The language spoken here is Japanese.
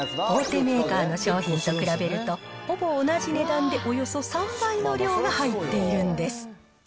大手メーカーの商品と比べると、ほぼ同じ値段でおよそ３倍の量が入っているんです。